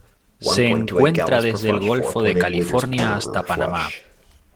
Se encuentra desde el Golfo de California hasta Panamá.